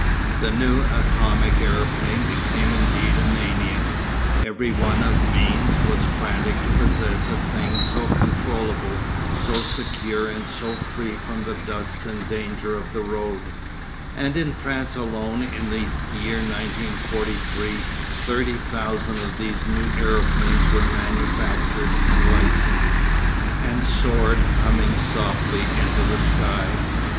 The new atomic aeroplane became indeed a mania; every one of means was frantic to possess a thing so controllable, so secure and so free from the dust and danger of the road, and in France alone in the year 1943 thirty thousand of these new aeroplanes were manufactured and licensed, and soared humming softly into the sky.